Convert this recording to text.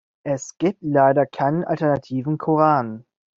Es gibt leider keinen alternativen Koran.